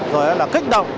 rồi là kích động